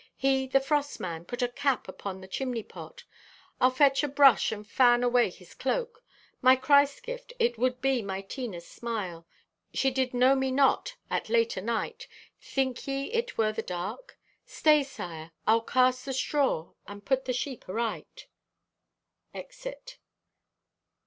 he, the Frost man, put a cap upon the chimney pot. I'll fetch a brush and fan away his cloak. My Christ gift, it would be my Tina's smile. She did know me not at late o' night; think ye it were the dark? Stay, sire! I'll cast the straw and put the sheep aright!" (_Exit.